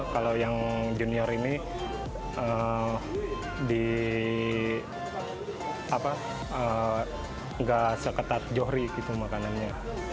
kalau yang junior ini nggak seketat johri gitu makanannya